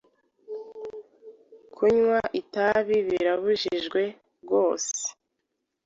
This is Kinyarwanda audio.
Kunywa itabi birabujijwe rwose.